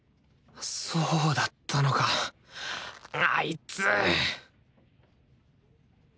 そうだったのかあいつ！